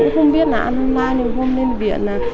không biết là ăn mai không lên viện